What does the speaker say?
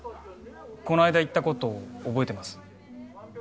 この間言ったこと覚えてます？